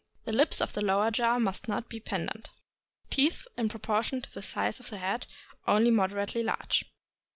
The lips of the lower jaw must not be pendent. Teeth, in proportion to the size of the head, only moderately large.